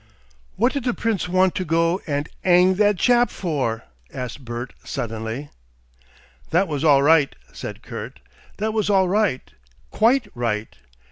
"What did the Prince want to go and 'ang that chap for?" asked Bert, suddenly. "That was all right," said Kurt, "that was all right. QUITE right.